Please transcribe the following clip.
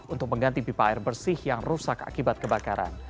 untuk mengganti pipa air bersih yang rusak akibat kebakaran